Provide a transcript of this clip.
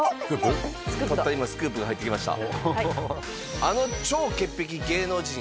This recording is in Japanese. たった今スクープが入ってきました。